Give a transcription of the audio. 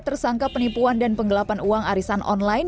d y tersangka penipuan dan penggelapan uang arisan online